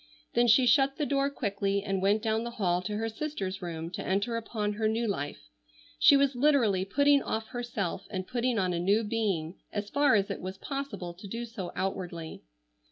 Then she shut the door quickly and went down the hall to her sister's room to enter upon her new life. She was literally putting off herself and putting on a new being as far as it was possible to do so outwardly.